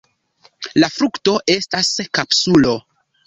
La frukto estas kapsulo.